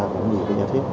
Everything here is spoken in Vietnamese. một nhiều nhờ thiết